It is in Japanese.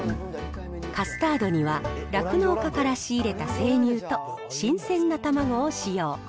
カスタードには、酪農家から仕入れた生乳と、新鮮な卵を使用。